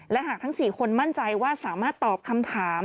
และหากทั้ง๔คนมั่นใจว่าสามารถตอบคำถาม